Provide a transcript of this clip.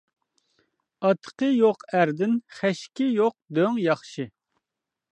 ئاتىقى يوق ئەردىن خەشىكى يوق دۆڭ ياخشى.